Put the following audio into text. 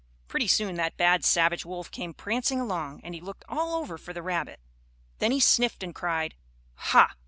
Pretty soon that bad savage wolf came prancing along, and he looked all over for the rabbit. Then he sniffed and cried: "Ha!